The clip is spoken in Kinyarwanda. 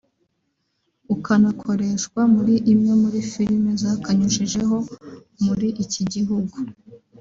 ukanakoreshwa muri imwe muri film zakanyujijeho muri iki gihugu